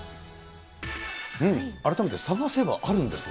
改めて探せばあるんですね。